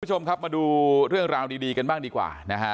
คุณผู้ชมครับมาดูเรื่องราวดีกันบ้างดีกว่านะฮะ